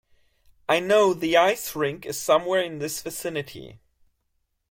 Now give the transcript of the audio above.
I know the ice rink is somewhere in this vicinity.